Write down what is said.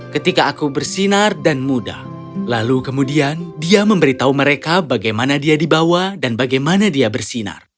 ketika aku bersinar dan muda lalu kemudian dia memberitahu mereka bagaimana dia dibawa dan bagaimana dia bersinar